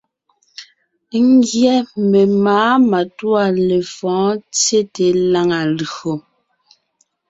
Ńgyɛ́ memáa matûa lefɔ̌ɔn tsyete lǎŋa lÿò.